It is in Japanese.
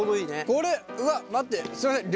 これうわっ待ってすいません